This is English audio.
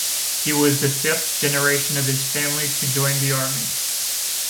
He was the fifth generation of his family to join the Army.